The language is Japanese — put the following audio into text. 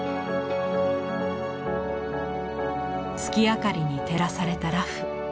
月明かりに照らされた裸婦。